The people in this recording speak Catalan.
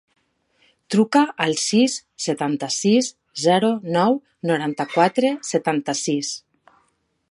Truca al sis, setanta-sis, zero, nou, noranta-quatre, setanta-sis.